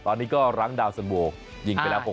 ตอนนี้ก็รั้งดาวสันวงศ์ยิงไปแล้ว๖ประโปร